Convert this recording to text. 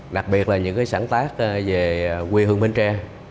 đặc biệt là những sáng tác về quê hương bến tre